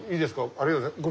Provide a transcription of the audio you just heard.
ありがとうございます。